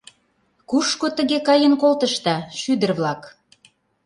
— Кушко тыге каен колтышда, шӱдыр-влак?